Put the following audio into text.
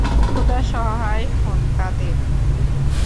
খোদা সহায় হোন তাদের।